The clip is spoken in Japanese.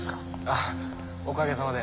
あおかげさまで。